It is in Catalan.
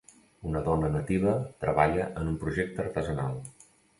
Una dona nativa treballa en un projecte artesanal.